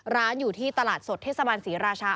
ร้านอยู่ที่ตลาดสดเทศบาลศรีราชา